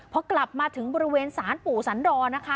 พอกลับมาถึงบริเวณศาลปู่สันดรนะคะ